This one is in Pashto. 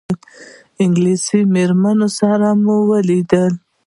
انګلیسي مېرمنې سره مو ولیدل.